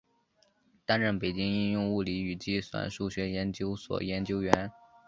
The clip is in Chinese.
担任北京应用物理与计算数学研究所研究员。